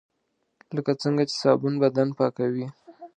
لکه څنګه چې صابون بدن پاکوي .